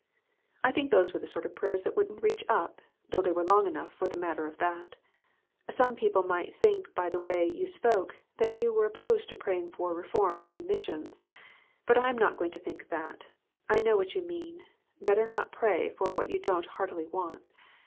I think those were the sort of prayers that wouldn't reach up, though they were long enough for the matter of that. Some people might think, by the way you spoke, that you were opposed to praying for reforms and missions. But I am net going to think that I know what you mean better not pray for what you don't heartily want.